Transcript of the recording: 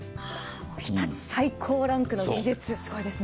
日立最高ランクの技術、すごいですね。